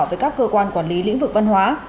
với các cơ quan quản lý lĩnh vực văn hóa